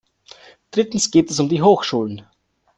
Drittens geht es um die Hochschulen.